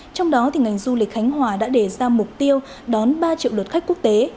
trong đó thì ngành du lịch khánh hòa đã để ra mục tiêu đón ba triệu đột khách quốc tế